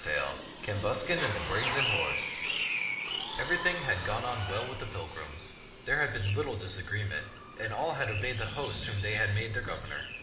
X CAMBUSCAN AND THE BRAZEN HORSE ^i}t ^Cjuive EVERYTHING had gone on well with the pil grims. There had been little disagreement, and all had obeyed the host whom they had made their governor.